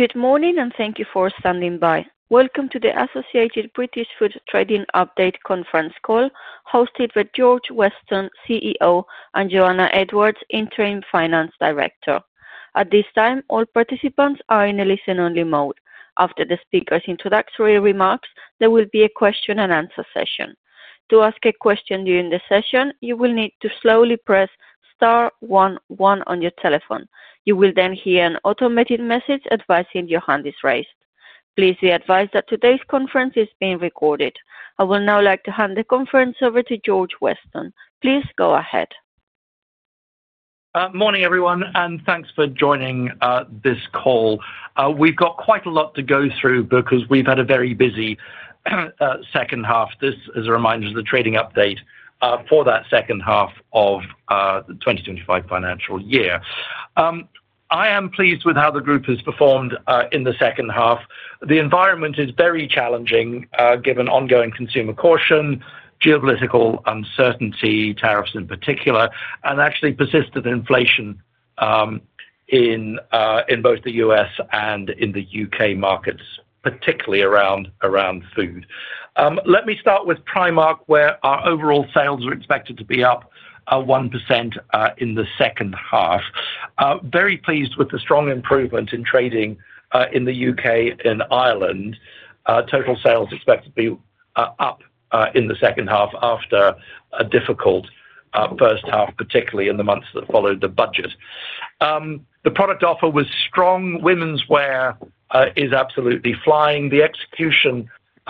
Good morning and thank you for standing by. Welcome to the Associated British Foods Trading Update conference call hosted by George Weston, CEO, and Joana Edwards, Interim Finance Director. At this time, all participants are in a listen-only mode. After the speaker's introductory remarks, there will be a question and answer session. To ask a question during the session, you will need to slowly press *11 on your telephone. You will then hear an automated message advising your hand is raised. Please be advised that today's conference is being recorded. I would now like to hand the conference over to George Weston. Please go ahead. Morning, everyone, and thanks for joining this call. We've got quite a lot to go through because we've had a very busy second half, as a reminder, of the trading update for that second half of the 2025 financial year. I am pleased with how the group has performed in the second half. The environment is very challenging given ongoing consumer caution, geopolitical uncertainty, tariffs in particular, and actually persistent inflation in both the U.S. and in the UK markets, particularly around food. Let me start with Primark, where our overall sales are expected to be up 1% in the second half. Very pleased with the strong improvement in trading in the UK and Ireland. Total sales are expected to be up in the second half after a difficult first half, particularly in the months that followed the budget. The product offer was strong. Women's wear is absolutely flying. The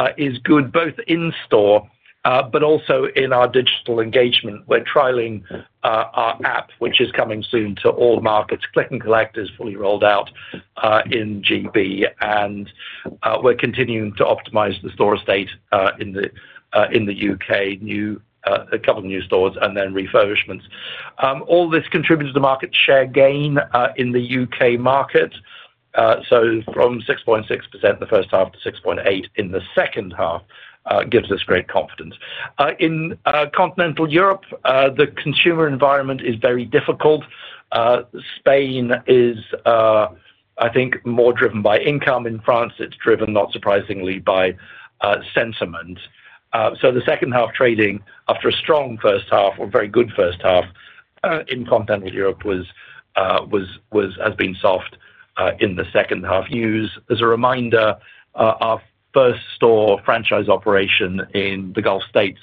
execution is good both in-store but also in our digital engagement. We're trialing our app, which is coming soon to all markets. Click and Collect is fully rolled out in GB, and we're continuing to optimize the store estate in the UK, a couple of new stores and then refurbishments. All this contributes to market share gain in the UK market. From 6.6% in the first half to 6.8% in the second half gives us great confidence. In continental Europe, the consumer environment is very difficult. Spain is, I think, more driven by income. In France, it's driven, not surprisingly, by sentiment. The second half trading after a strong first half or a very good first half in continental Europe has been soft in the second half. News, as a reminder, our first store franchise operation in the Gulf States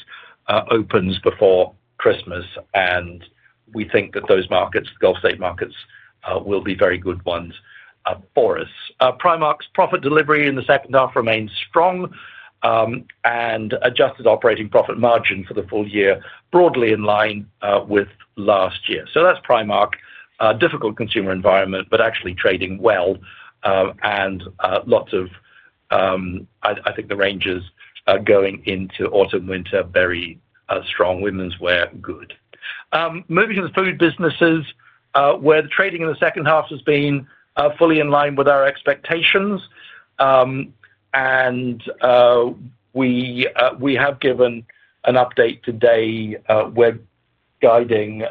opens before Christmas, and we think that those markets, the Gulf State markets, will be very good ones for us. Primark's profit delivery in the second half remains strong, and adjusted operating profit margin for the full year broadly in line with last year. That's Primark. Difficult consumer environment but actually trading well and lots of, I think, the ranges going into autumn, winter, very strong. Women's wear, good. Moving to the food businesses, where the trading in the second half has been fully in line with our expectations, and we have given an update today. We're guiding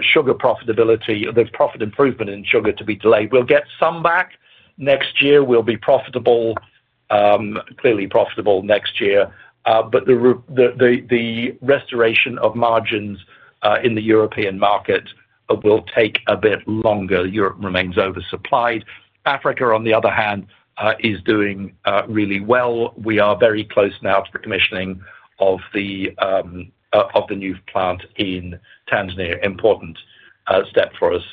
sugar profitability. There's profit improvement in sugar to be delayed. We'll get some back next year. We'll be profitable, clearly profitable next year, but the restoration of margins in the European market will take a bit longer. Europe remains oversupplied. Africa, on the other hand, is doing really well. We are very close now to the commissioning of the new plant in Tanzania. Important step for us,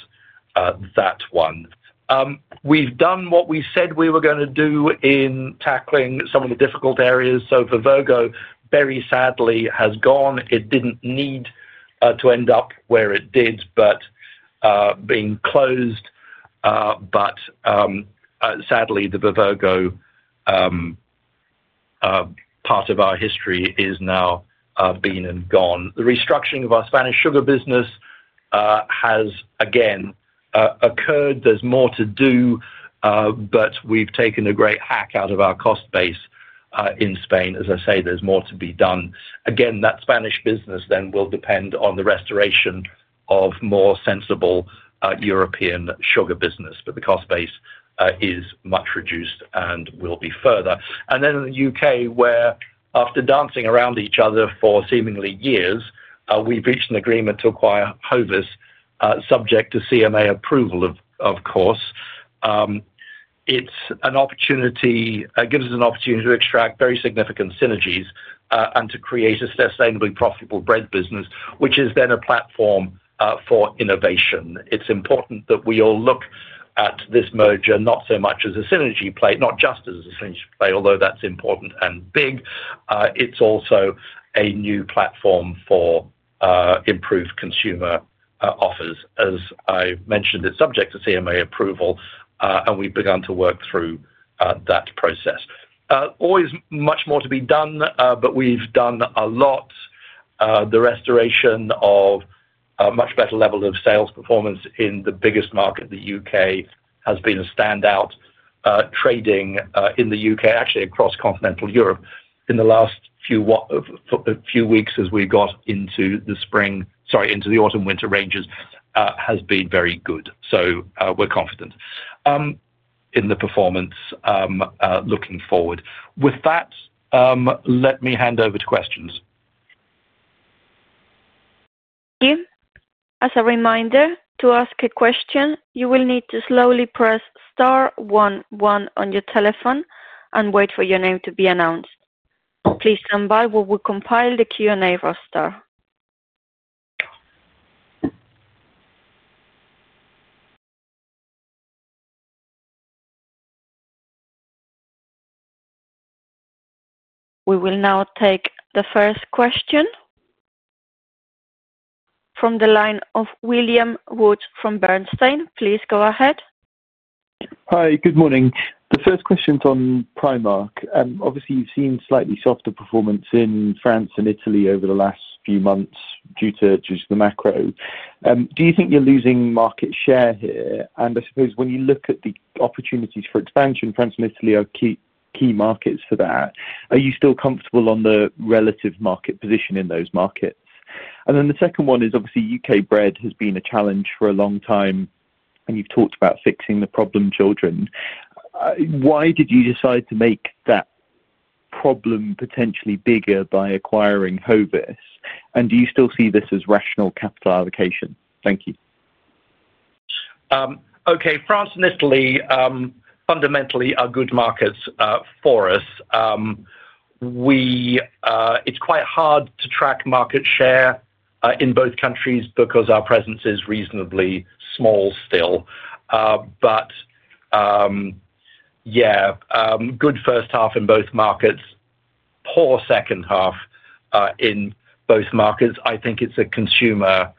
that one. We've done what we said we were going to do in tackling some of the difficult areas. Bevogo, very sadly, has gone. It didn't need to end up where it did, but being closed. Sadly, the Bevogo part of our history is now been and gone. The restructuring of our Spanish sugar business has again occurred. There's more to do, but we've taken a great hack out of our cost base in Spain. As I say, there's more to be done. That Spanish business then will depend on the restoration of more sensible European sugar business, but the cost base is much reduced and will be further. In the UK, where after dancing around each other for seemingly years, we've reached an agreement to acquire Hovis, subject to CMA approval, of course. It gives us an opportunity to extract very significant synergies and to create a sustainably profitable bread business, which is then a platform for innovation. It's important that we all look at this merger not so much as a synergy play, not just as a synergy play, although that's important and big. It's also a new platform for improved consumer offers. As I mentioned, it's subject to CMA approval, and we've begun to work through that process. Always much more to be done, but we've done a lot. The restoration of a much better level of sales performance in the biggest market, the UK, has been a standout. Trading in the UK, actually across continental Europe, in the last few weeks as we got into the spring, sorry, into the autumn-winter ranges has been very good. We're confident in the performance looking forward. With that, let me hand over to questions. As a reminder, to ask a question, you will need to slowly press *11 on your telephone and wait for your name to be announced. Please stand by while we compile the Q&A roster. We will now take the first question from the line of William Woods from Bernstein. Please go ahead. Hi. Good morning. The first question's on Primark. Obviously, you've seen slightly softer performance in France and Italy over the last few months due to the macro. Do you think you're losing market share here? I suppose when you look at the opportunities for expansion, France and Italy are key markets for that. Are you still comfortable on the relative market position in those markets? The second one is, obviously, UK bread has been a challenge for a long time, and you've talked about fixing the problem children. Why did you decide to make that problem potentially bigger by acquiring Hovis? Do you still see this as rational capital allocation? Thank you. Okay. France and Italy fundamentally are good markets for us. It's quite hard to track market share in both countries because our presence is reasonably small still. Yeah, good first half in both markets, poor second half in both markets. I think it's a consumer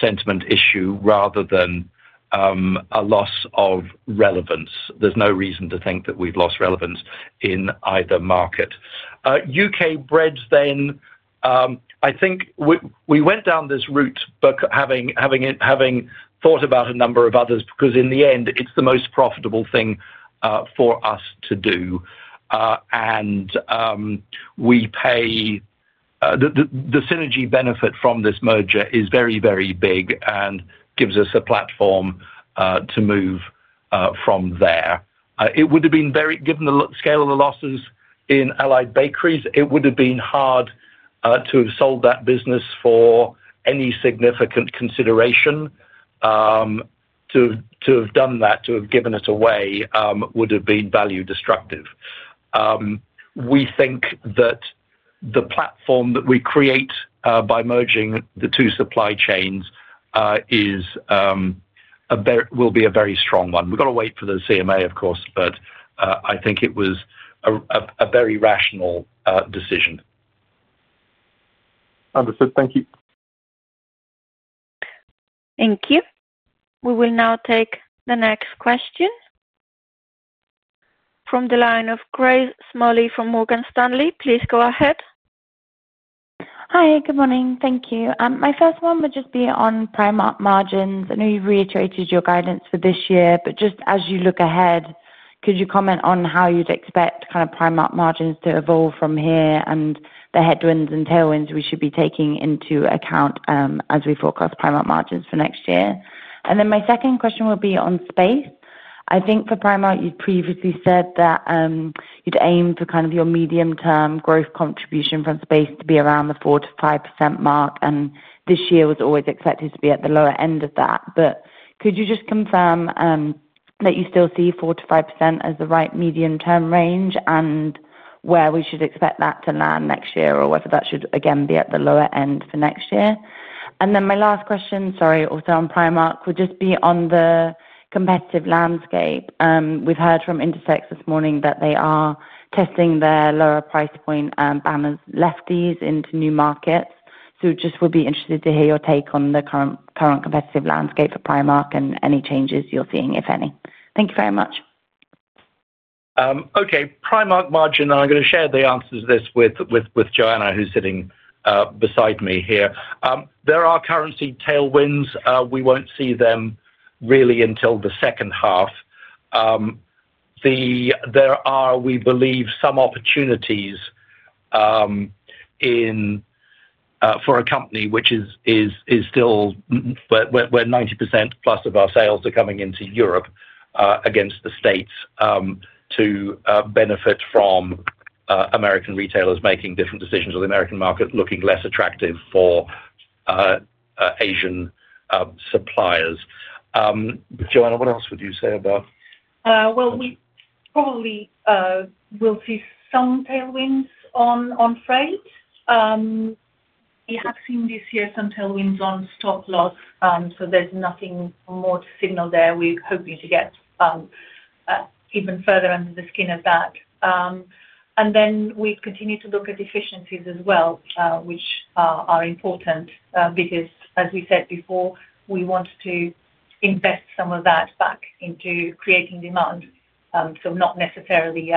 sentiment issue rather than a loss of relevance. There's no reason to think that we've lost relevance in either market. UK breads, I think we went down this route, having thought about a number of others because in the end, it's the most profitable thing for us to do. We pay the synergy benefit from this merger, which is very, very big and gives us a platform to move from there. Given the scale of the losses in Allied Bakeries, it would have been hard to have sold that business for any significant consideration. To have done that, to have given it away would have been value destructive. We think that the platform that we create by merging the two supply chains will be a very strong one. We've got to wait for the CMA, of course, but I think it was a very rational decision. Understood. Thank you. Thank you. We will now take the next question from the line of Grace Smalley from Morgan Stanley. Please go ahead. Hi. Good morning. Thank you. My first one would just be on Primark margins. I know you've reiterated your guidance for this year, but just as you look ahead, could you comment on how you'd expect kind of Primark margins to evolve from here and the headwinds and tailwinds we should be taking into account as we forecast Primark margins for next year? My second question will be on space. I think for Primark, you'd previously said that you'd aim for kind of your medium-term growth contribution from space to be around the 4% to 5% mark, and this year was always expected to be at the lower end of that. Could you just confirm that you still see 4% to 5% as the right medium-term range and where we should expect that to land next year or whether that should, again, be at the lower end for next year? My last question, sorry, also on Primark, would just be on the competitive landscape. We've heard from Inditex this morning that they are testing their lower price point banners, Lefties, into new markets. We just would be interested to hear your take on the current competitive landscape of Primark and any changes you're seeing, if any. Thank you very much. Okay. Primark margin, and I'm going to share the answer to this with Joana, who's sitting beside me here. There are currency tailwinds. We won't see them really until the second half. There are, we believe, some opportunities for a company which is still where 90%+ of our sales are coming into Europe against the States to benefit from American retailers making different decisions or the American market looking less attractive for Asian suppliers. Joana, what else would you say about? We probably will see some tailwinds on freight. We have seen this year some tailwinds on stock loss, so there's nothing more to signal there. We're hoping to get even further under the skin of that. We continue to look at efficiencies as well, which are important because, as we said before, we want to invest some of that back into creating demand, not necessarily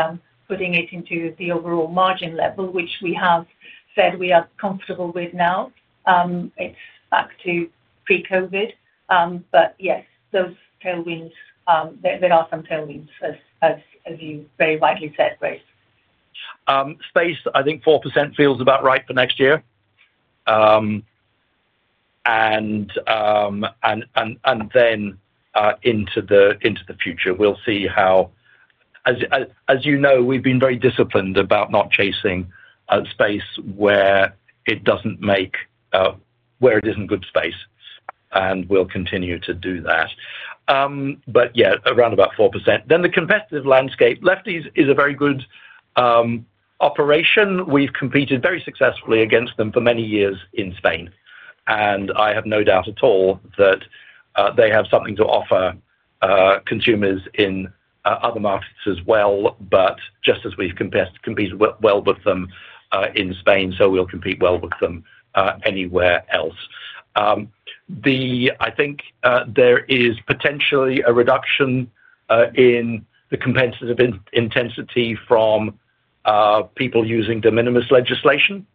putting it into the overall margin level, which we have said we are comfortable with now. It's back to pre-COVID. Yes, those tailwinds, there are some tailwinds, as you very rightly said, Grace. Space, I think 4% feels about right for next year. Into the future, we'll see how, as you know, we've been very disciplined about not chasing space where it isn't good space, and we'll continue to do that. Yeah, around about 4%. The competitive landscape, Lefties is a very good operation. We've competed very successfully against them for many years in Spain, and I have no doubt at all that they have something to offer consumers in other markets as well. Just as we've competed well with them in Spain, we'll compete well with them anywhere else. I think there is potentially a reduction in the competitive intensity from people using de minimis legislation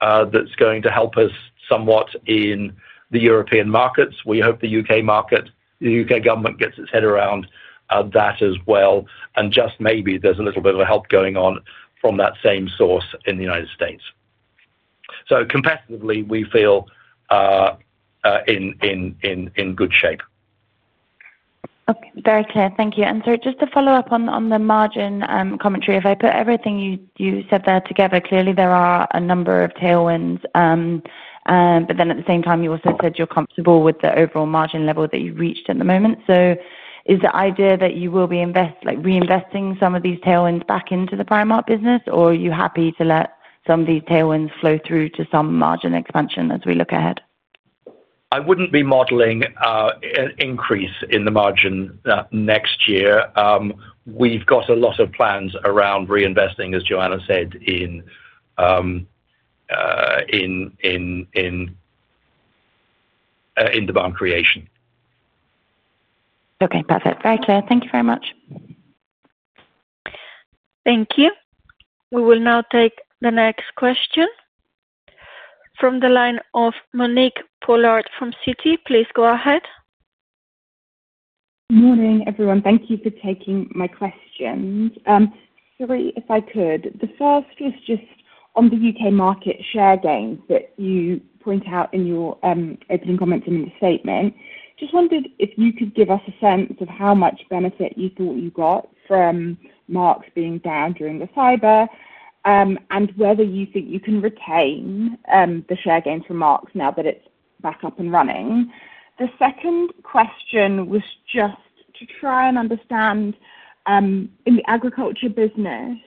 that's going to help us somewhat in the European markets. We hope the UK government gets its head around that as well. Maybe there's a little bit of a help going on from that same source in the U.S. Competitively, we feel in good shape. Okay. Very clear. Thank you. Just to follow up on the margin commentary, if I put everything you said there together, clearly there are a number of tailwinds. At the same time, you also said you're comfortable with the overall margin level that you've reached at the moment. Is the idea that you will be reinvesting some of these tailwinds back into the Primark business, or are you happy to let some of these tailwinds flow through to some margin expansion as we look ahead? I wouldn't be modeling an increase in the margin next year. We've got a lot of plans around reinvesting, as Joana said, in demand creation. Okay. Perfect. Very clear. Thank you very much. Thank you. We will now take the next question from the line of Monique Pollard from Citi. Please go ahead. Morning, everyone. Thank you for taking my questions. The first was just on the UK market share gain that you point out in your opening comments and in the statement. I just wondered if you could give us a sense of how much benefit you thought you got from Marks being down during the cyber and whether you think you can retain the share gains from Marks now that it's back up and running. The second question was just to try and understand, in the agriculture business,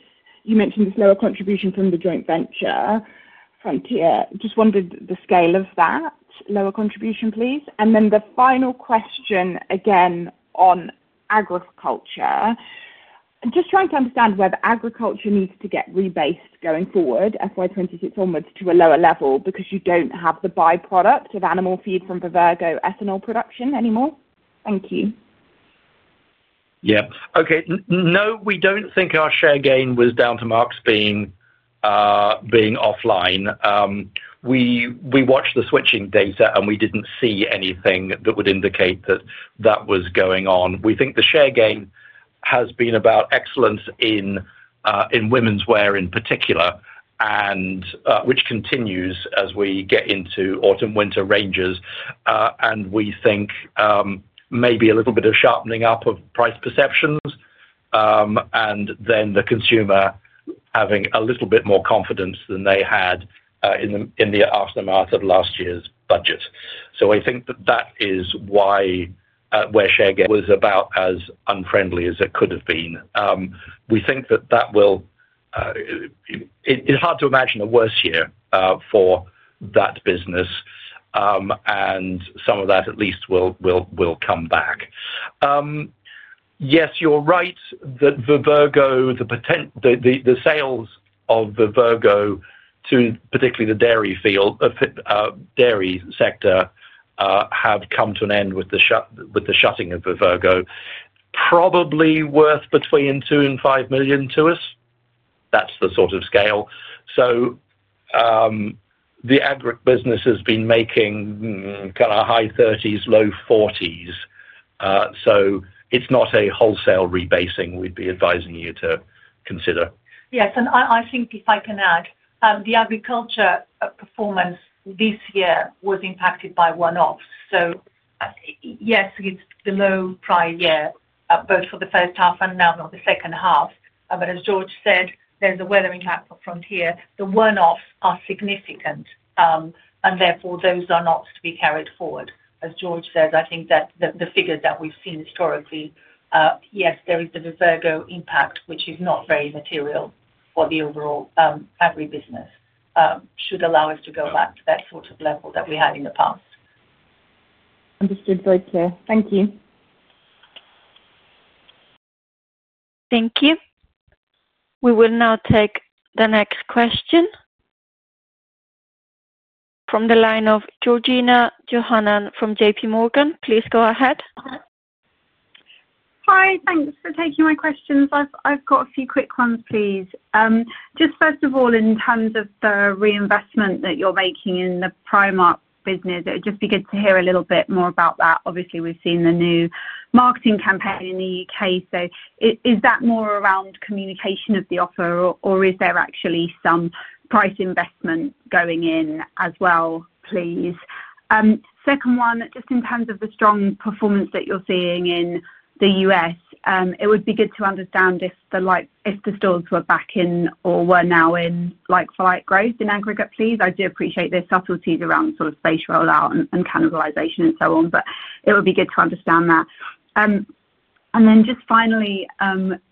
you mentioned this lower contribution from the joint venture Frontier. I just wondered the scale of that lower contribution, please. The final question, again on agriculture, I'm just trying to understand whether agriculture needs to get rebased going forward, FY2026 onwards, to a lower level because you don't have the byproduct of animal feed from Bevogo ethanol production anymore. Thank you. Yeah. Okay. No, we don't think our share gain was down to Marks being offline. We watched the switching data, and we didn't see anything that would indicate that that was going on. We think the share gain has been about excellence in women's wear in particular, which continues as we get into autumn-winter ranges. We think maybe a little bit of sharpening up of price perceptions and then the consumer having a little bit more confidence than they had in the aftermath of last year's budget. I think that that is why where share was about as unfriendly as it could have been. We think that that will, it's hard to imagine a worse year for that business, and some of that at least will come back. Yes, you're right that Bevogo, the sales of Bevogo to particularly the dairy field, dairy sector have come to an end with the shutting of Bevogo. Probably worth between £2 million and £5 million to us. That's the sort of scale. The agribusiness has been making kind of high 30s, low 40s. It's not a wholesale rebasing we'd be advising you to consider. Yes. I think if I can add, the agriculture performance this year was impacted by one-offs. It's below prior year both for the first half and now for the second half. As George said, there's a weather impact of Frontier. The one-offs are significant, and therefore, those are not to be carried forward. As George says, I think that the figures that we've seen historically, there is the Bevogo impact, which is not very material for the overall agribusiness. This should allow us to go back to that sort of level that we had in the past. Understood. Very clear. Thank you. Thank you. We will now take the next question from the line of Georgina Johanan from J.P. Morgan. Please go ahead. Hi. Thanks for taking my questions. I've got a few quick ones, please. First of all, in terms of the reinvestment that you're making in the Primark business, it would just be good to hear a little bit more about that. Obviously, we've seen the new marketing campaign in the UK. Is that more around communication of the offer, or is there actually some price investment going in as well, please? Second, just in terms of the strong performance that you're seeing in the U.S., it would be good to understand if the stores were back in or were now in like-for-like growth in aggregate, please. I do appreciate there are subtleties around sort of base rollout and cannibalization and so on, but it would be good to understand that. Finally,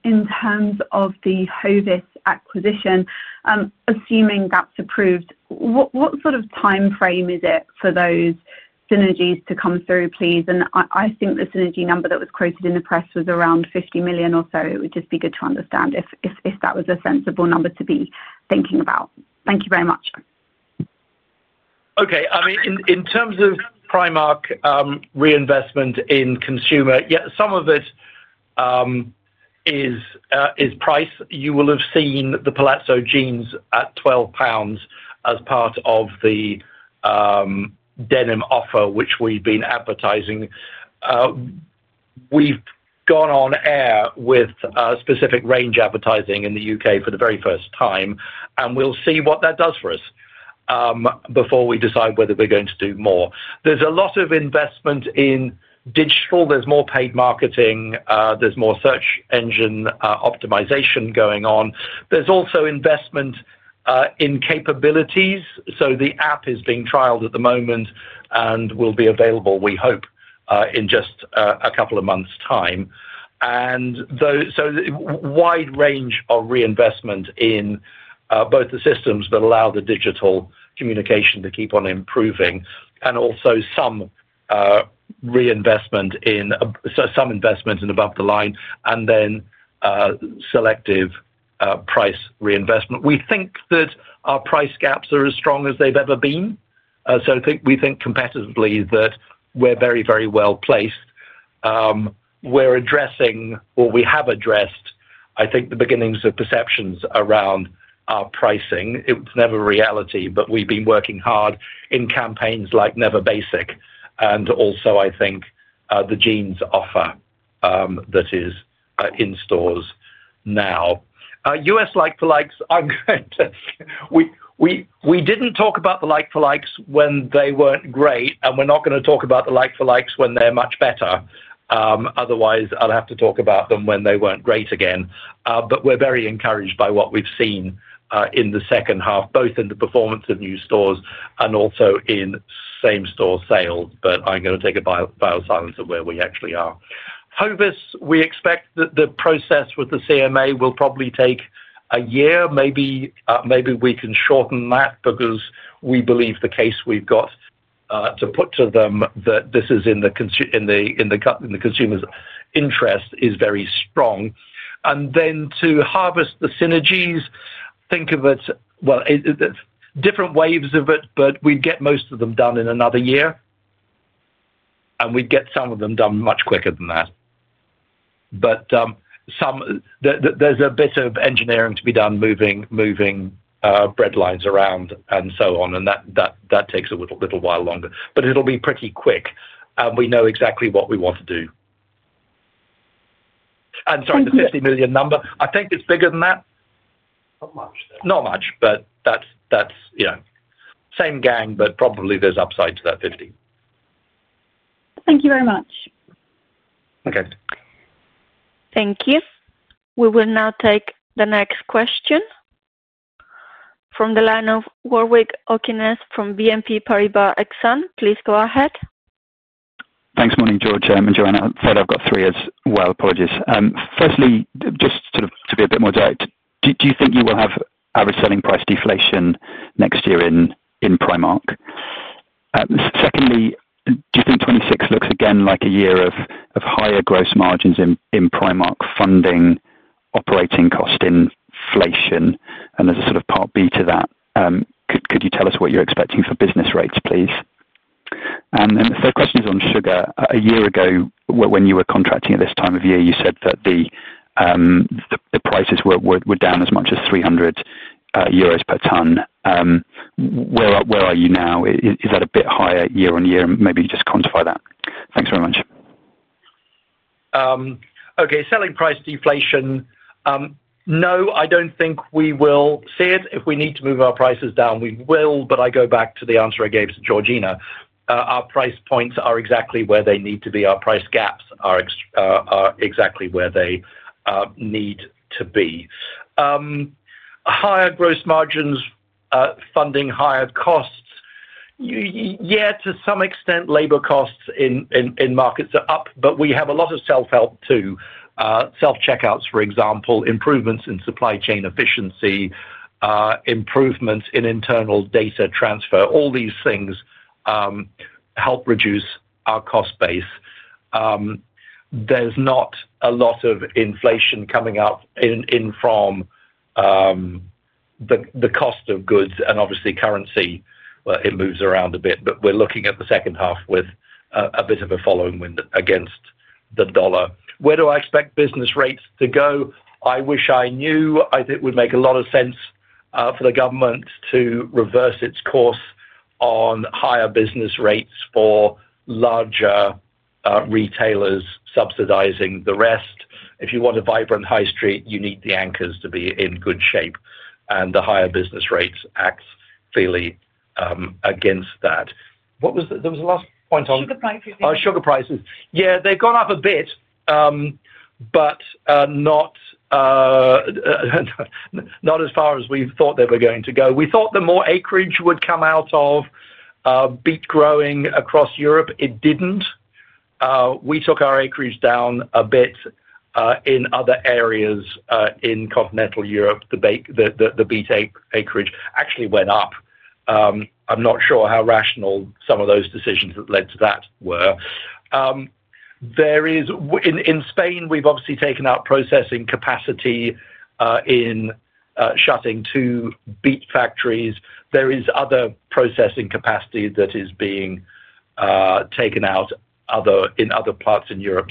in terms of the Hovis acquisition, assuming that's approved, what sort of timeframe is it for those synergies to come through, please? I think the synergy number that was quoted in the press was around £50 million or so. It would just be good to understand if that was a sensible number to be thinking about. Thank you very much. Okay. I mean, in terms of Primark reinvestment in consumer, yeah, some of it is price. You will have seen the Palazzo jeans at £12 as part of the denim offer, which we've been advertising. We've gone on air with specific range advertising in the UK for the very first time, and we'll see what that does for us before we decide whether we're going to do more. There's a lot of investment in digital. There's more paid marketing. There's more search engine optimization going on. There's also investment in capabilities. The Primark app is being trialed at the moment and will be available, we hope, in just a couple of months' time. A wide range of reinvestment in both the systems that allow the digital communication to keep on improving and also some reinvestment in above the line and then selective price reinvestment. We think that our price gaps are as strong as they've ever been. I think we think competitively that we're very, very well placed. We're addressing, or we have addressed, I think, the beginnings of perceptions around our pricing. It's never reality, but we've been working hard in campaigns like Never Basic and also, I think, the jeans offer that is in stores now. U.S. like-for-likes, I'm going to say we didn't talk about the like-for-likes when they weren't great, and we're not going to talk about the like-for-likes when they're much better. Otherwise, I'd have to talk about them when they weren't great again. We're very encouraged by what we've seen in the second half, both in the performance of new stores and also in same-store sales. I'm going to take a vow of silence of where we actually are. Hovis, we expect that the process with the CMA will probably take a year. Maybe we can shorten that because we believe the case we've got to put to them that this is in the consumer's interest is very strong. To harvest the synergies, think of it, well, different waves of it, but we'd get most of them done in another year, and we'd get some of them done much quicker than that. There's a bit of engineering to be done moving bread lines around and so on, and that takes a little while longer. It'll be pretty quick, and we know exactly what we want to do. Sorry, the £50 million number, I think it's bigger than that. Not much. Not much, but that's, yeah, same gang, but probably there's upside to that £50. Thank you very much. Okay. Thank you. We will now take the next question from the line of Warwick Okines from BNP Paribas Exane. Please go ahead. Thanks, Monique, George, and Joana. I'm afraid I've got three as well. Apologies. Firstly, just to be a bit more direct, do you think you will have average selling price deflation next year in Primark? Secondly, do you think 2026 looks again like a year of higher gross margins in Primark funding operating cost inflation? There's a part B to that. Could you tell us what you're expecting for business rates, please? The third question is on sugar. A year ago, when you were contracting at this time of year, you said that the prices were down as much as €300 per ton. Where are you now? Is that a bit higher year on year? Maybe you just quantify that. Thanks very much. Okay. Selling price deflation, no, I don't think we will see it. If we need to move our prices down, we will. I go back to the answer I gave to Georgina. Our price points are exactly where they need to be. Our price gaps are exactly where they need to be. Higher gross margins funding higher costs. Yeah, to some extent, labor costs in markets are up, but we have a lot of self-help too. Self-checkouts, for example, improvements in supply chain efficiency, improvements in internal data transfer, all these things help reduce our cost base. There's not a lot of inflation coming up in from the cost of goods and obviously currency. It moves around a bit, but we're looking at the second half with a bit of a following wind against the dollar. Where do I expect business rates to go? I wish I knew. I think it would make a lot of sense for the government to reverse its course on higher business rates or larger retailers subsidizing the rest. If you want a vibrant high street, you need the anchors to be in good shape, and the higher business rates act clearly against that. There was a last point on. Sugar prices. Oh, sugar prices. Yeah, they've gone up a bit, but not as far as we thought they were going to go. We thought more acreage would come out of beet growing across Europe. It didn't. We took our acreage down a bit in other areas in continental Europe. The beet acreage actually went up. I'm not sure how rational some of those decisions that led to that were. In Spain, we've obviously taken out processing capacity in shutting two beet factories. There is other processing capacity that is being taken out in other parts in Europe.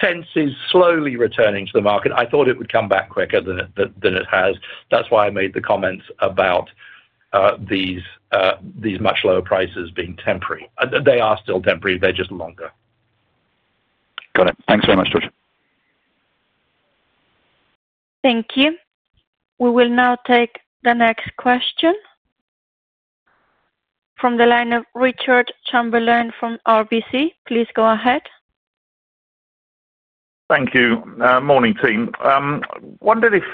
Fence is slowly returning to the market. I thought it would come back quicker than it has. That's why I made the comments about these much lower prices being temporary. They are still temporary. They're just longer. Got it. Thanks very much, George. Thank you. We will now take the next question from the line of Richard Chamberlain from RBC. Please go ahead. Thank you. Morning, team. I wondered if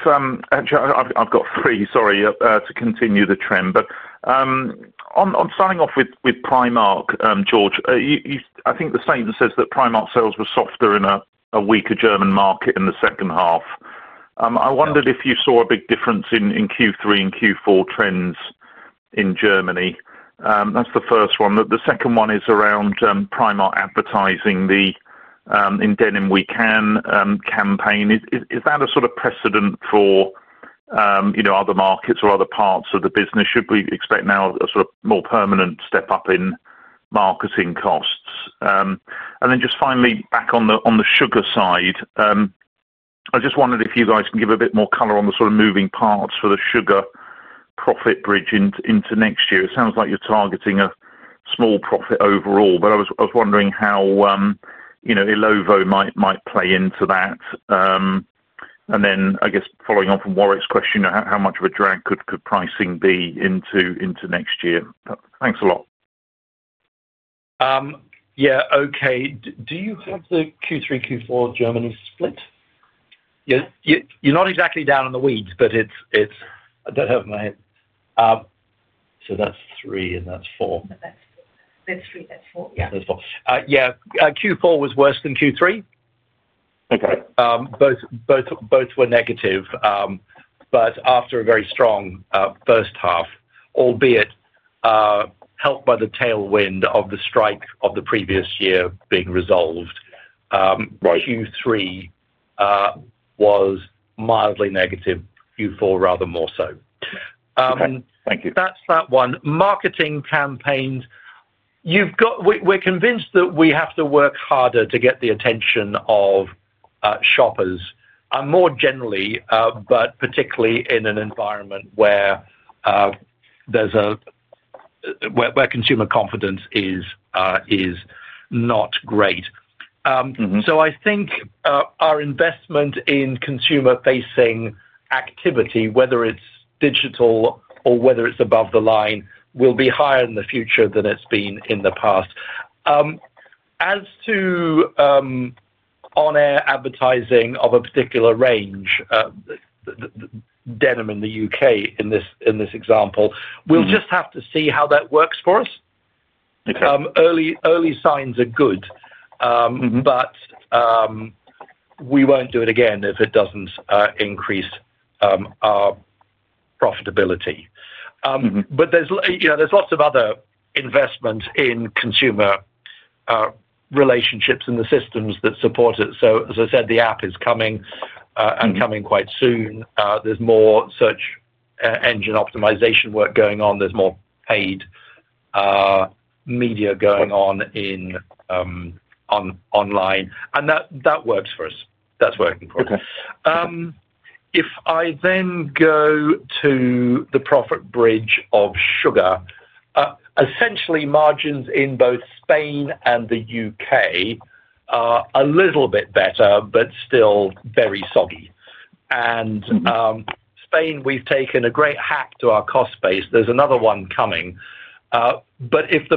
actually, I've got three, sorry, to continue the trend. Starting off with Primark, George, I think the statement says that Primark sales were softer in a weaker German market in the second half. I wondered if you saw a big difference in Q3 and Q4 trends in Germany. That's the first one. The second one is around Primark advertising in denim weekend campaign. Is that a sort of precedent for other markets or other parts of the business? Should we expect now a sort of more permanent step up in marketing costs? Finally, back on the sugar side, I just wondered if you guys can give a bit more color on the sort of moving parts for the sugar profit bridge into next year. It sounds like you're targeting a small profit overall, but I was wondering how, you know, Ilovo might play into that. I guess following on from Warwick's question, how much of a drag could pricing be into next year? Thanks a lot. Yeah. Okay. Do you have the Q3, Q4 Germany split? You're not exactly down in the weeds, but I don't have it in my head. That's three and that's four. That's three. That's four. Yeah. That's four. Yeah. Q4 was worse than Q3. Okay, both were negative. After a very strong first half, albeit helped by the tailwind of the strike of the previous year being resolved, Q3 was mildly negative, Q4 rather more so. Great. Thank you. That's that one. Marketing campaigns, we're convinced that we have to work harder to get the attention of shoppers and more generally, but particularly in an environment where consumer confidence is not great. I think our investment in consumer-facing activity, whether it's digital or whether it's above the line, will be higher in the future than it's been in the past. As to on-air advertising of a particular range, denim in the UK in this example, we'll just have to see how that works for us. Early signs are good, but we won't do it again if it doesn't increase our profitability. There's lots of other investments in consumer relationships and the systems that support it. As I said, the app is coming and coming quite soon. There's more search engine optimization work going on. There's more paid media going on online. That works for us. That's working for us. If I then go to the profit bridge of sugar, essentially, margins in both Spain and the UK are a little bit better, but still very soggy. In Spain, we've taken a great hack to our cost base. There's another one coming. If the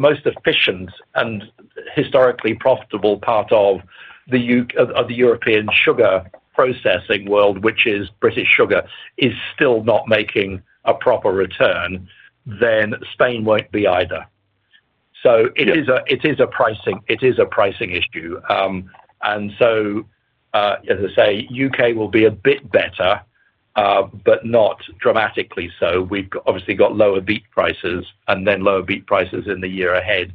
most efficient and historically profitable part of the European sugar processing world, which is British Sugar, is still not making a proper return, then Spain won't be either. It is a pricing issue. As I say, UK will be a bit better, but not dramatically so. We've obviously got lower beet prices and then lower beet prices in the year ahead.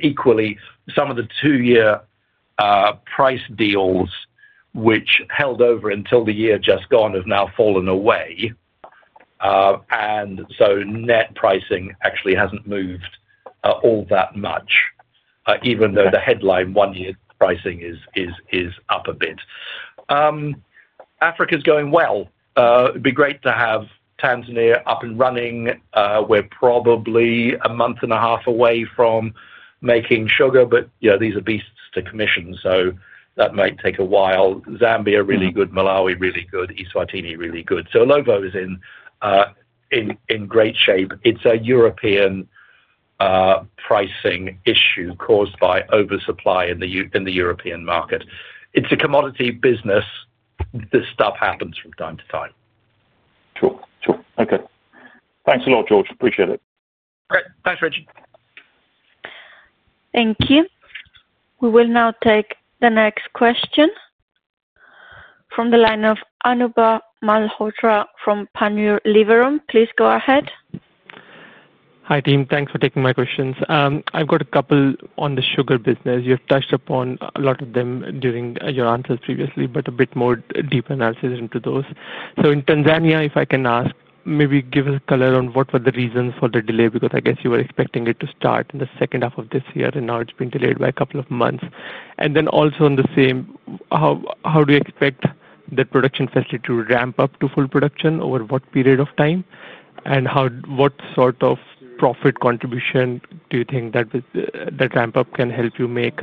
Equally, some of the two-year price deals, which held over until the year just gone, have now fallen away. Net pricing actually hasn't moved all that much, even though the headline one-year pricing is up a bit. Africa's going well. It'd be great to have Tanzania up and running. We're probably a month and a half away from making sugar, but you know these are beasts to commission, so that might take a while. Zambia really good. Malawi really good. Eswatini really good. Ilovo is in great shape. It's a European pricing issue caused by oversupply in the European market. It's a commodity business. This stuff happens from time to time. Sure. Okay. Thanks a lot, George. Appreciate it. Great. Thanks, Regi. Thank you. We will now take the next question from the line of Anubhav Malhotra from Panmure Liberum. Please go ahead. Hi, team. Thanks for taking my questions. I've got a couple on the sugar business. You've touched upon a lot of them during your answers previously, but a bit more deep analysis into those. In Tanzania, if I can ask, maybe give us color on what were the reasons for the delay because I guess you were expecting it to start in the second half of this year, and now it's been delayed by a couple of months. Also on the same, how do you expect that production facility to ramp up to full production over what period of time? What sort of profit contribution do you think that ramp-up can help you make?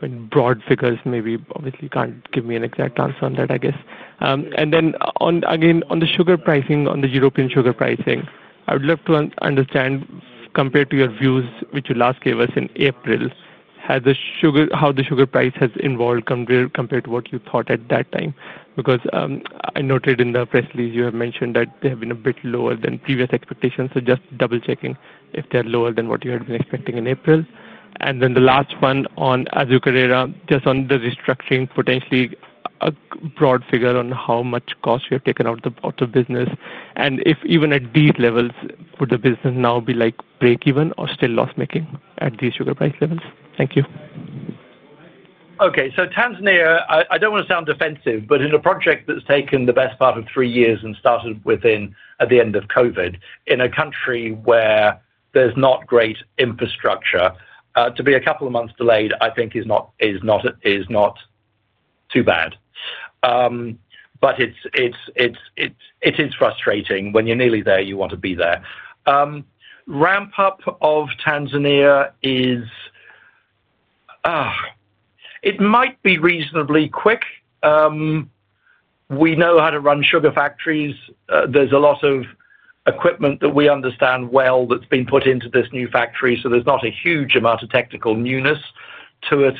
I mean, broad figures, maybe. Obviously, you can't give me an exact answer on that, I guess. On the sugar pricing, on the European sugar pricing, I would love to understand compared to your views, which you last gave us in April, how the sugar price has evolved compared to what you thought at that time because I noted in the press release you have mentioned that they have been a bit lower than previous expectations. Just double-checking if they're lower than what you had been expecting in April. The last one on Azucarera, just on the restructuring, potentially a broad figure on how much cost you have taken out of the business. If even at these levels, would the business now be like break-even or still loss-making at these sugar price levels? Thank you. Okay. Tanzania, I don't want to sound defensive, but in a project that's taken the best part of three years and started at the end of COVID, in a country where there's not great infrastructure, to be a couple of months delayed, I think is not too bad. It is frustrating. When you're nearly there, you want to be there. Ramp-up of Tanzania might be reasonably quick. We know how to run sugar factories. There's a lot of equipment that we understand well that's been put into this new factory. There's not a huge amount of technical newness to it.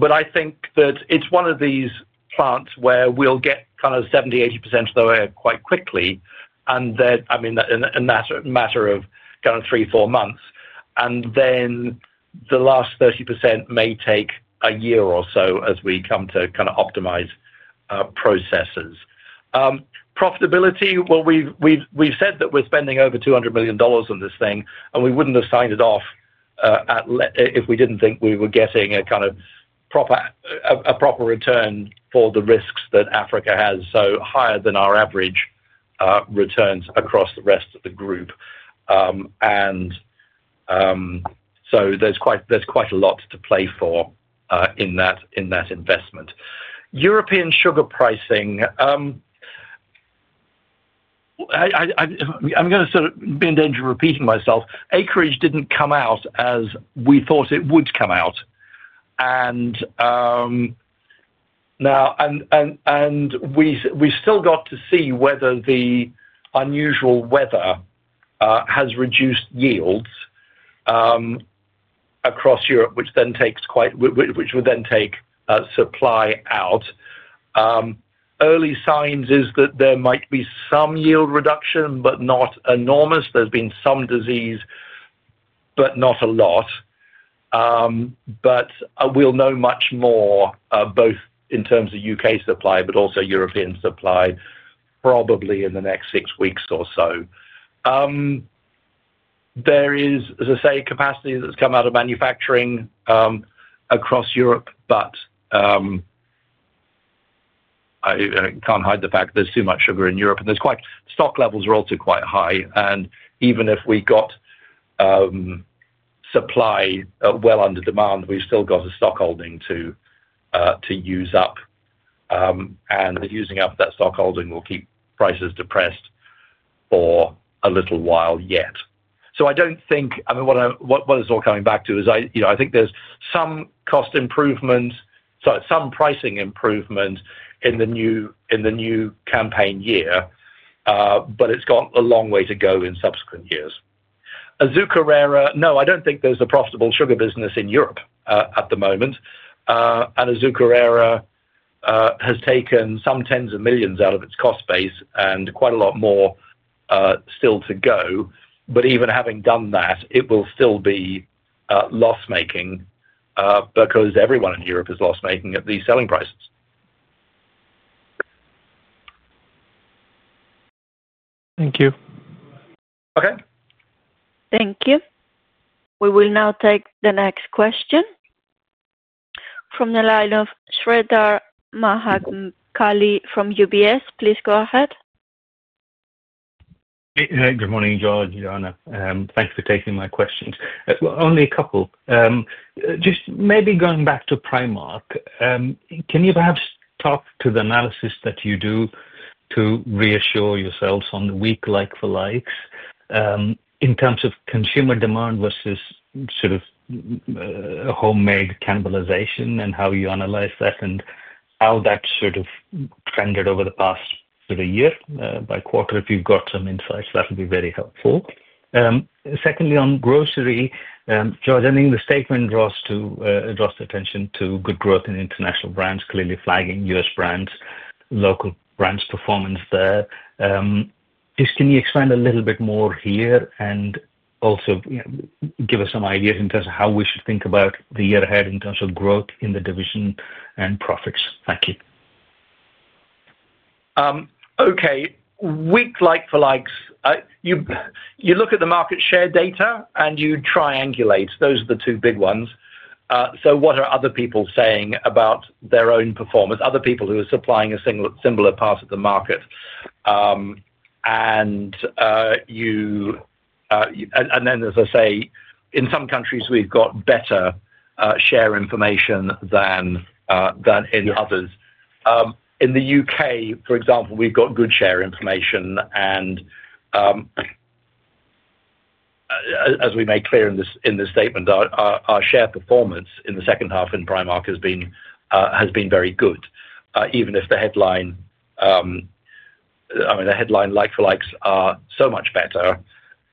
I think that it's one of these parts where we'll get kind of 70% to 80% of the way quite quickly, in a matter of three or four months. The last 30% may take a year or so as we come to optimize processes. Profitability, we've said that we're spending over $200 million on this thing, and we wouldn't have signed it off if we didn't think we were getting a proper return for the risks that Africa has. Higher than our average returns across the rest of the group. There's quite a lot to play for in that investment. European sugar pricing, I'm going to be in danger of repeating myself. Acreage didn't come out as we thought it would. We still have to see whether the unusual weather has reduced yields across Europe, which would then take supply out. Early signs are that there might be some yield reduction, but not enormous. There's been some disease, but not a lot. We'll know much more both in terms of UK supply and European supply probably in the next six weeks or so. There is capacity that's come out of manufacturing across Europe, but I can't hide the fact there's too much sugar in Europe. Stock levels are also quite high. Even if we got supply well under demand, we've still got a stockholding to use up. Using up that stockholding will keep prices depressed for a little while yet. I don't think, what it's all coming back to is I think there's some pricing improvement in the new campaign year, but it's got a long way to go in subsequent years. Azucarera, no, I don't think there's a profitable sugar business in Europe at the moment. Azucarera has taken some tens of millions out of its cost base and quite a lot more still to go. Even having done that, it will still be loss-making because everyone in Europe is loss-making at these selling prices. Thank you. Okay. Thank you. We will now take the next question from the line of Sreedhar Mahamkali from UBS. Please go ahead. Good morning, George, Joana. Thanks for taking my questions. Only a couple. Just maybe going back to Primark, can you perhaps talk to the analysis that you do to reassure yourselves on the weak like-for-likes in terms of consumer demand versus sort of homemade cannibalization and how you analyze that and how that's sort of fendered over the past year by quarter? If you've got some insights, that would be very helpful. Secondly, on grocery, George, I think the statement draws attention to good growth in international brands, clearly flagging U.S. brands, local brands' performance there. Just can you expand a little bit more here and also give us some ideas in terms of how we should think about the year ahead in terms of growth in the division and profits? Thank you. Okay. Weak like-for-likes, you look at the market share data and you triangulate. Those are the two big ones. What are other people saying about their own performance, other people who are supplying a similar part of the market? In some countries, we've got better share information than in others. In the UK, for example, we've got good share information. As we made clear in this statement, our share performance in the second half in Primark has been very good, even if the headline, I mean, the headline like-for-likes are so much better,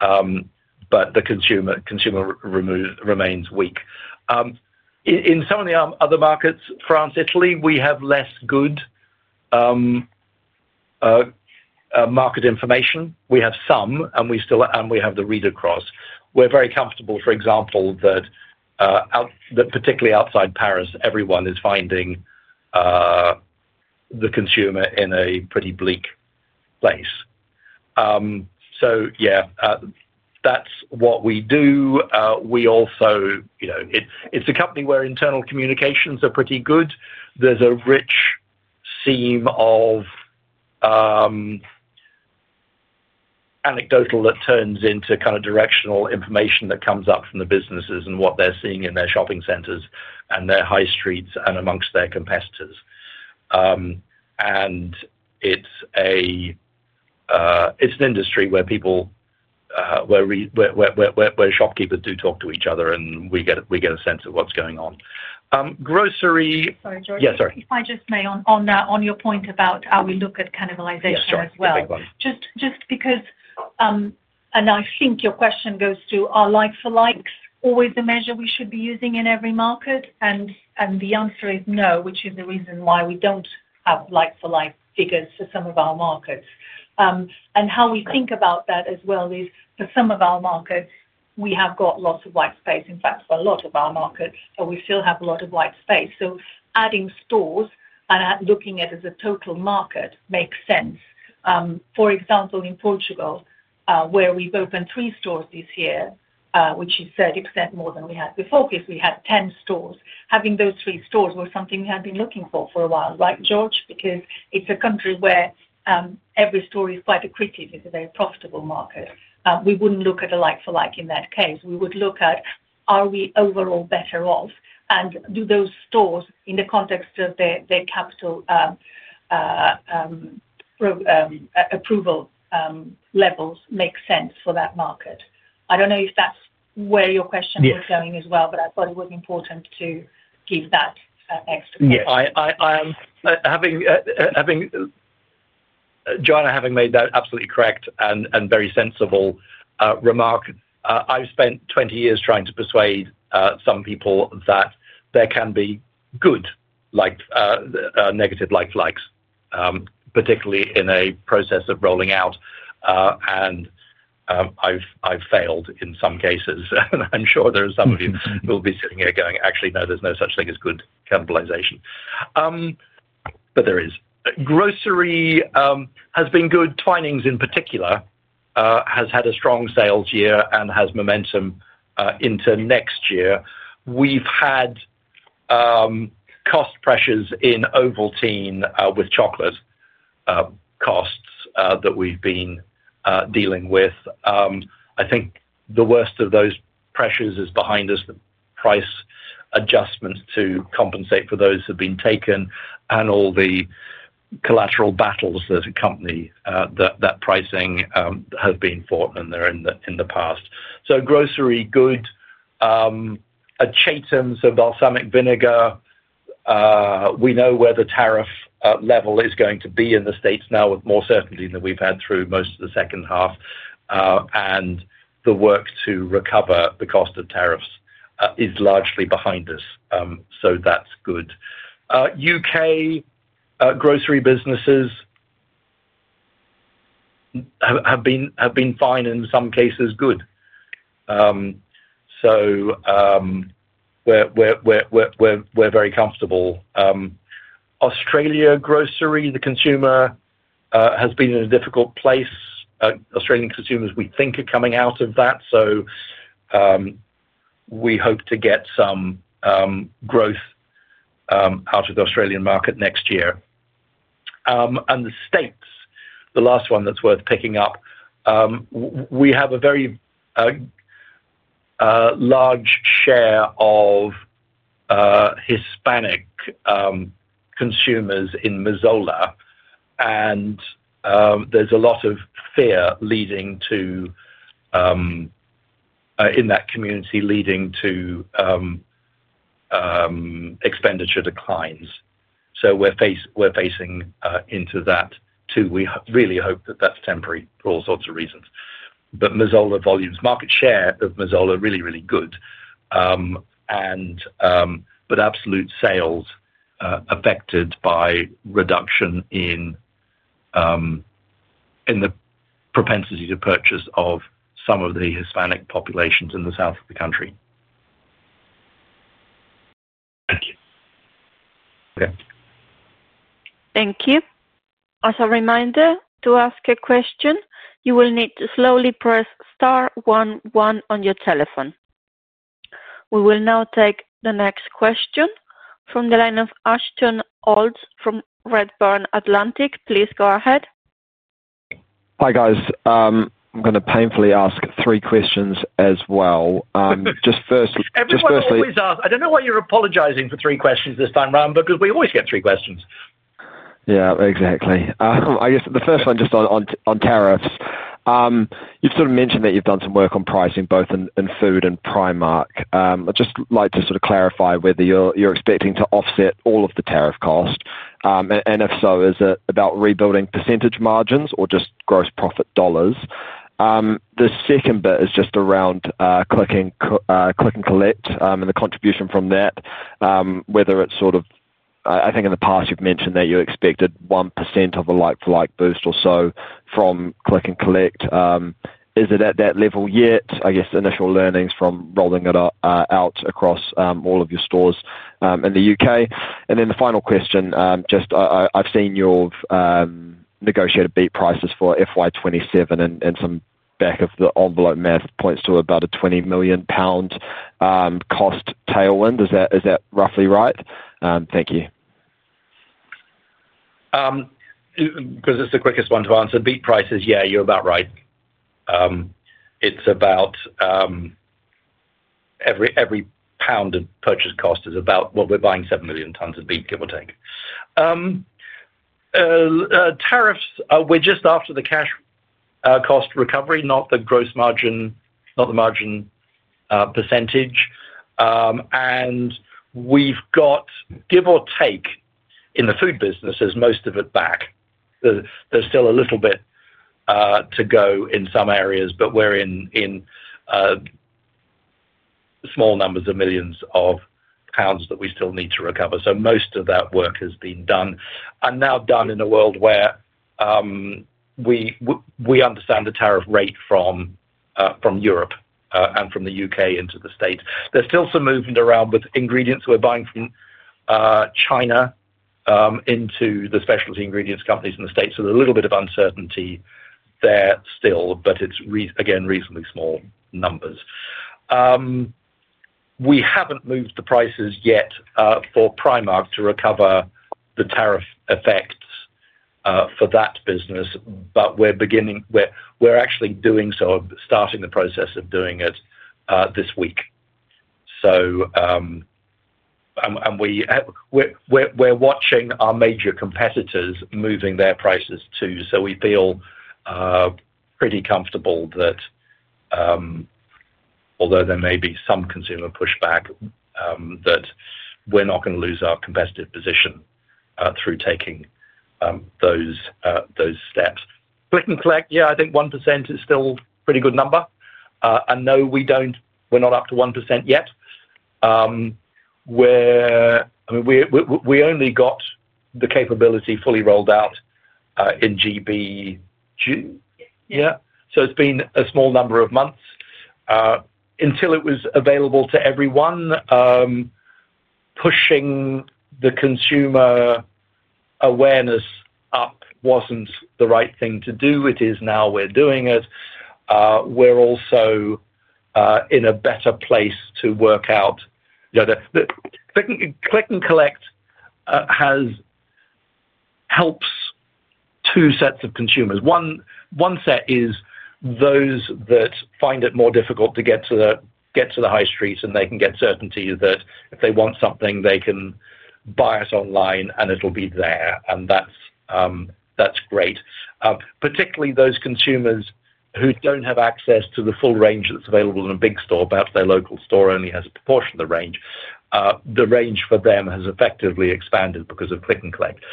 but the consumer remains weak. In some of the other markets, France, Italy, we have less good market information. We have some, and we have the reader cross. We're very comfortable, for example, that particularly outside Paris, everyone is finding the consumer in a pretty bleak place. That's what we do. It's a company where internal communications are pretty good. There's a rich seam of anecdotal that turns into kind of directional information that comes up from the businesses and what they're seeing in their shopping centers and their high streets and amongst their competitors. It's an industry where people, where shopkeepers do talk to each other, and we get a sense of what's going on. Grocery. Sorry, George. Yeah, sorry. If I may, on your point about how we look at cannibalization as well. Sure. Thanks, Monique. Just because, and I think your question goes to, are like-for-likes always the measure we should be using in every market? The answer is no, which is the reason why we don't have like-for-likes figures for some of our markets. How we think about that as well is for some of our markets, we have got lots of white space. In fact, for a lot of our markets, we still have a lot of white space. Adding stores and looking at it as a total market makes sense. For example, in Portugal, where we've opened three stores this year, which is 30% more than we had before, because we had 10 stores. Having those three stores was something we had been looking for for a while, right, George, because it's a country where every store is quite acquitted. It's a very profitable market. We wouldn't look at a like-for-like in that case. We would look at, are we overall better off? Do those stores in the context of their capital approval levels make sense for that market? I don't know if that's where your question was going as well, but I thought it was important to give that extra closure. Yeah. Joana, having made that absolutely correct and very sensible remark, I've spent 20 years trying to persuade some people that there can be good negative like-for-likes, particularly in a process of rolling out. I've failed in some cases. I'm sure there are some of you who will be sitting here going, actually, no, there's no such thing as good cannibalization. There is. Grocery has been good. Twinings in particular has had a strong sales year and has momentum into next year. We've had cost pressures in Ovaltine with chocolate costs that we've been dealing with. I think the worst of those pressures is behind us. The price adjustments to compensate for those have been taken, and all the collateral battles that a company that pricing has been fought in there in the past. Grocery good. Achatums, so balsamic vinegar, we know where the tariff level is going to be in the U.S. now with more certainty than we've had through most of the second half. The work to recover the cost of tariffs is largely behind us. That's good. UK grocery businesses have been fine, and in some cases, good. We're very comfortable. Australia grocery, the consumer has been in a difficult place. Australian consumers, we think, are coming out of that. We hope to get some growth out of the Australian market next year. The U.S., the last one that's worth picking up, we have a very large share of Hispanic consumers in Missoula. There's a lot of fear in that community leading to expenditure declines. We're facing into that too. We really hope that that's temporary for all sorts of reasons. Missoula volumes, market share of Missoula really, really good. Absolute sales affected by reduction in the propensity to purchase of some of the Hispanic populations in the south of the country. Thank you. Thank you. As a reminder, to ask a question, you will need to slowly press star one one on your telephone. We will now take the next question from the line of Ashton Olds from Redburn Atlantic. Please go ahead. Hi, guys. I'm going to painfully ask three questions as well. First. Everyone, please ask. I don't know why you're apologizing for three questions this time, Rahm, because we always get three questions. Yeah, exactly. I guess the first one just on tariffs. You've mentioned that you've done some work on pricing both in food and Primark. I'd just like to clarify whether you're expecting to offset all of the tariff cost. If so, is it about rebuilding % margins or just gross profit dollars? The second bit is just around Click and Collect and the contribution from that, whether it's, I think in the past you've mentioned that you expected 1% of a like-for-like boost or so from Click and Collect. Is it at that level yet? I guess the initial learnings from rolling it out across all of your stores in the UK. The final question, I've seen you've negotiated beet prices for FY2027 and some back of the envelope math points to about a £20 million cost tailwind. Is that roughly right? Thank you. Because it's the quickest one to answer. Beet prices, yeah, you're about right. It's about every pound of purchase cost is about what we're buying, 7 million tons of beet, give or take. Tariffs, we're just after the cash cost recovery, not the gross margin, not the margin percentage. We've got, give or take, in the food businesses, most of it back. There's still a little bit to go in some areas, but we're in small numbers of millions of pounds that we still need to recover. Most of that work has been done. Now done in a world where we understand the tariff rate from Europe and from the UK into the U.S. There's still some movement around with ingredients we're buying from China into the specialty ingredients companies in the U.S. There's a little bit of uncertainty there still, but it's, again, reasonably small numbers. We haven't moved the prices yet for Primark to recover the tariff effects for that business, but we're actually doing so, starting the process of doing it this week. We're watching our major competitors moving their prices too. We feel pretty comfortable that although there may be some consumer pushback, we're not going to lose our competitive position through taking those steps. Click and Collect, yeah, I think 1% is still a pretty good number. No, we're not up to 1% yet. We only got the capability fully rolled out in GB June, yeah. It's been a small number of months until it was available to everyone. Pushing the consumer awareness up wasn't the right thing to do. It is now we're doing it. We're also in a better place to work out. Click and Collect helps two sets of consumers. One set is those that find it more difficult to get to the high streets, and they can get certainty that if they want something, they can buy it online and it'll be there. That's great, particularly those consumers who don't have access to the full range that's available in a big store. Perhaps their local store only has a proportion of the range. The range for them has effectively expanded because of Click and Collect.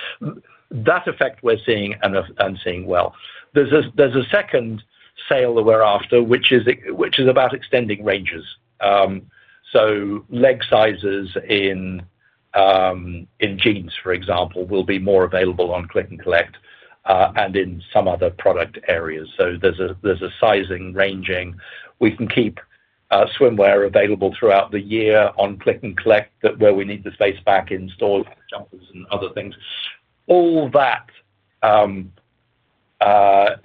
That effect we're seeing and seeing well. There's a second sale that we're after, which is about extending ranges. Leg sizes in jeans, for example, will be more available on Click and Collect and in some other product areas. There's a sizing ranging. We can keep swimwear available throughout the year on Click and Collect where we need the space back in stores, shoppers, and other things. All that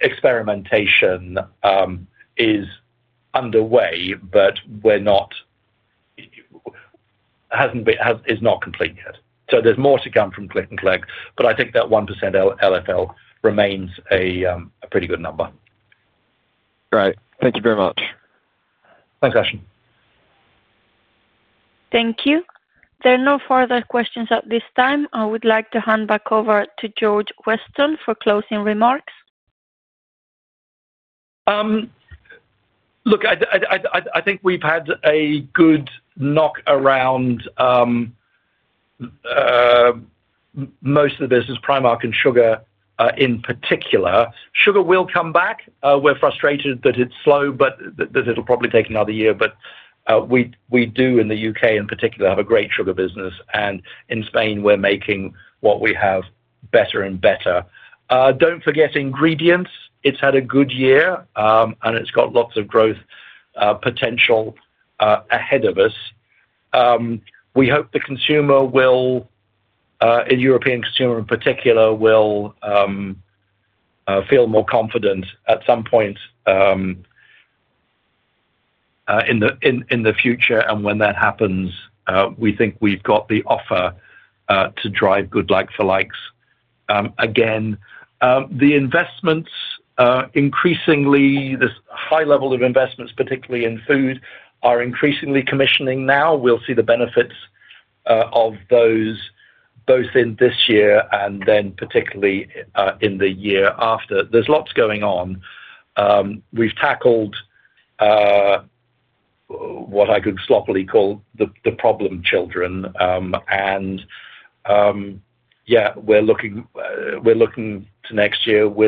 experimentation is underway, but it is not complete yet. There's more to come from Click and Collect, but I think that 1% LFL remains a pretty good number. Right, thank you very much. Thanks, Ashton. Thank you. There are no further questions at this time. I would like to hand back over to George Weston for closing remarks. Look, I think we've had a good knock around most of the business, Primark and sugar in particular. Sugar will come back. We're frustrated that it's slow, but it'll probably take another year. We do, in the UK in particular, have a great sugar business. In Spain, we're making what we have better and better. Don't forget ingredients. It's had a good year, and it's got lots of growth potential ahead of us. We hope the consumer, in European consumer in particular, will feel more confident at some point in the future. When that happens, we think we've got the offer to drive good like-for-likes again. The investments, increasingly, the high level of investments, particularly in food, are increasingly commissioning now. We'll see the benefits of those both in this year and then particularly in the year after. There's lots going on. We've tackled what I could sloppily call the problem children. We're looking to next year with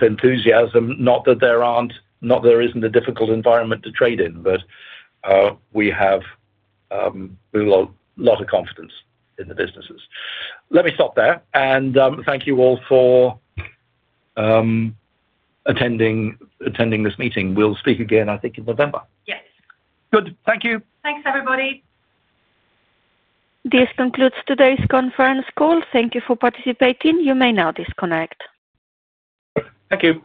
enthusiasm. Not that there isn't a difficult environment to trade in, but we have a lot of confidence in the businesses. Let me stop there. Thank you all for attending this meeting. We'll speak again, I think, in November. Yes. Good, thank you. Thanks, everybody. This concludes today's conference call. Thank you for participating. You may now disconnect. Thank you.